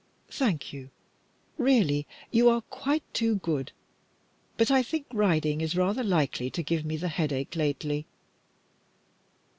"Thank you. Really; you are quite too good, but I think riding is rather likely to give me the headache lately."